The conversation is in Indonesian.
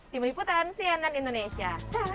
tim liputan cnn indonesia